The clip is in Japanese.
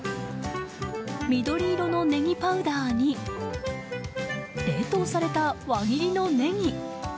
緑色のネギパウダーに冷凍された輪切りのネギ。